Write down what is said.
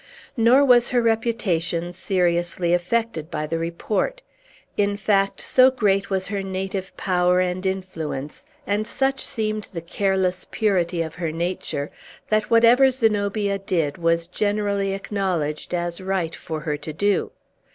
Nor was her reputation seriously affected by the report. In fact, so great was her native power and influence, and such seemed the careless purity of her nature, that whatever Zenobia did was generally acknowledged as right for her to do.